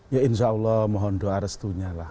ya insya allah mohon doa restunya lah